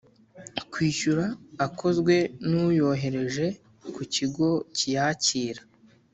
kwishyura akozwe n uyohereje ku kigo kiyakira